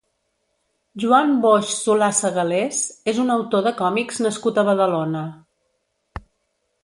Joan Boix Solà-Segalés és un autor de còmics nascut a Badalona.